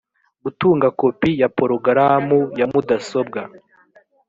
gutunga kopi ya porogaramu ya mudasobwa